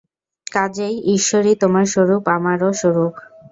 কাজেই ঈশ্বরই তোমার স্বরূপ, আমারও স্বরূপ।